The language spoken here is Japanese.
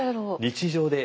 日常で。